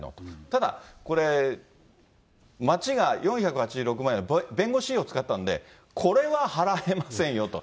ただ、これ、町が４８６万円の弁護士費用を使ったんで、これは払えませんよと。